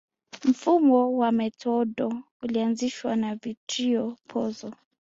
Mfumo wa metodo ulianzishwa na Vittorio Pozzo